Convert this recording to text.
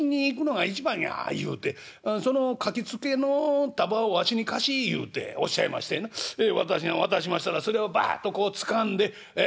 言うて『その書きつけの束をわしに貸し』言うておっしゃいましてな私が渡しましたらそれをバッとこうつかんでええ